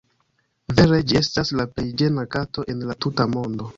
Vere ĝi estas la plej ĝena kato en la tuta mondo.